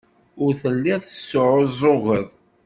Ur telliḍ tesɛuẓẓugeḍ.